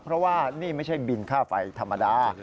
เพราะว่านี่ไม่ใช่บินค่าไฟธรรมดา